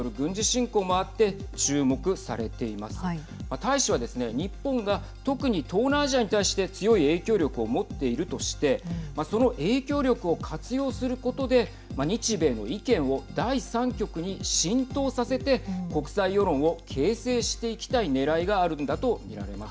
大使はですね日本が特に東南アジアに対して強い影響力を持っているとしてその影響力を活用することで日米の意見を第３極に浸透させて国際世論を形成していきたいねらいがあるんだと見られます。